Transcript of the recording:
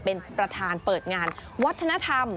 เป็นประธานเปิดงานวัฒนธรรม